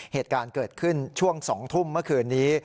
เหตุการณ์เกิดขึ้นช่วง๒ทุ่มเมื่อคืนนี้